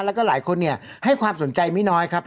แล้วก็หลายคนให้ความสนใจไม่น้อยครับ